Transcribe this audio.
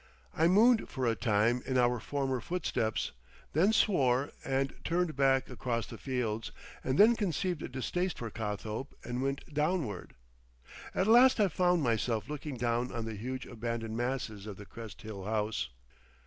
I mooned for a time in our former footsteps, then swore and turned back across the fields, and then conceived a distaste for Cothope and went Downward. At last I found myself looking down on the huge abandoned masses of the Crest Hill house.